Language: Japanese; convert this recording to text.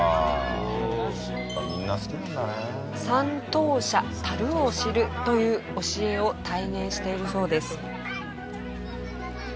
サントーシャ「足るを知る」という教えを体現しているそうです。